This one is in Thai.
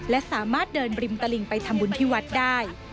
และสามารถเดินริมตลิงไปทำบุญที่วัดได้